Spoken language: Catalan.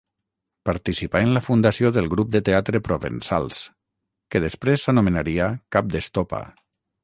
Participà en la fundació del Grup de Teatre Provençals, que després s'anomenaria Cap d'Estopa.